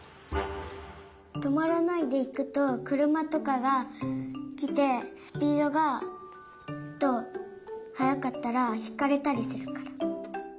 とまらないでいくとくるまとかがきてスピードがえっとはやかったらひかれたりするから。